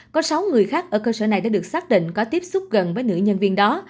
có sáu người khác ở cơ sở này đã được xác định có tiếp xúc gần với nữ nhân viên đó